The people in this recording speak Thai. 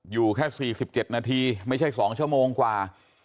อยู่แค่๔๗นาทีไม่ใช่๒ชั่วโมงกว่า